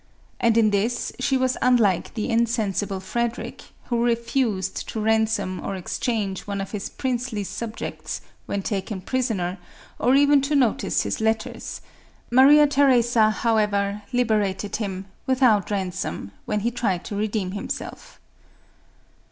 And in this she was unlike the insensible Frederic, who refused to ransom or exchange one of his princely subjects, when taken prisoner, or even to notice his letters; Maria Theresa, however, liberated him, without ransom, when he tried to redeem himself.